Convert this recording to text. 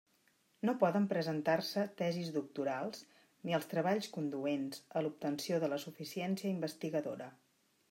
No poden presentar-se tesis doctorals ni els treballs conduents a l'obtenció de la suficiència investigadora.